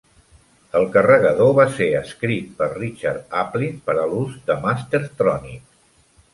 El carregador va ser escrit per Richard Aplin per a l'ús de Mastertronic.